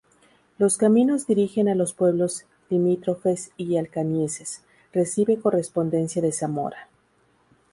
Los caminos dirigen a los pueblos limítrofes y Alcañices, recibe correspondencia de Zamora.